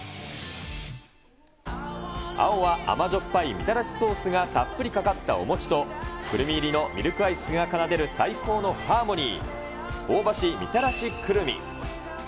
青は甘じょっぱいみたらしソースがたっぷりかかったお餅と、くるみ入りのミルクアイスが奏でる最高のハーモニー。